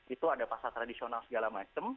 itu ada pasar tradisional segala macam